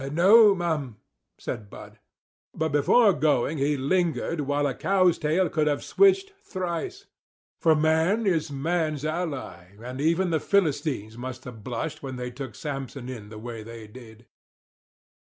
"No, m'm," said Bud. But before going he lingered while a cow's tail could have switched thrice; for man is man's ally; and even the Philistines must have blushed when they took Samson in the way they did.